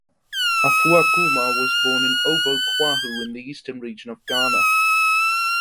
Afua Kuma was born in Obo Kwahu in the Eastern Region of Ghana.